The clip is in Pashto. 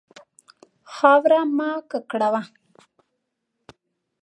خاوره مه ککړوه.